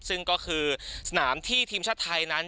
ซึ่งก็คือสนามที่ทีมชาติไทยนั้น